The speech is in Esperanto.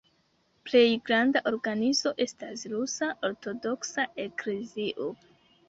Plej granda organizo estas Rusa Ortodoksa Eklezio.